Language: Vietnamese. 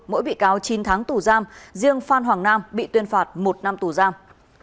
mỗi bị cáo chín tháng tù giam riêng phan hoàng nam bị tuyên phạt một năm tù giam